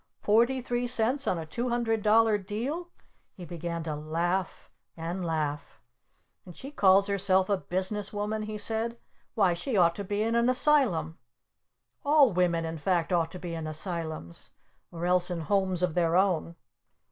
"Forty three cents on a two hundred dollar deal?" He began to laugh! And laugh! "And she calls herself a Business Woman?" he said. "Why, she ought to be in an Asylum! All women, in fact, ought to be in Asylums or else in homes of their own!"